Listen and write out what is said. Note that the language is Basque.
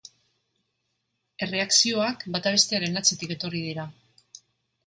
Erreakzioak bata bestearen atzetik etorri dira.